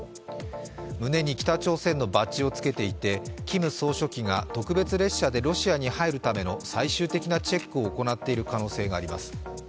胸に北朝鮮のバッジをつけていてキム総書記が特別列車でロシアに入るための最終的なチェックを行っている可能性があります。